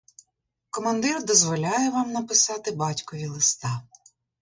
Командир дозволяє вам написати батькові листа.